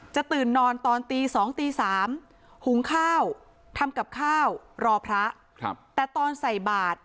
ตื่นนอนตอนตี๒ตี๓หุงข้าวทำกับข้าวรอพระแต่ตอนใส่บาท